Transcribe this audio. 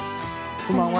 こんばんは。